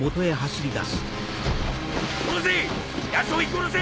・殺せ！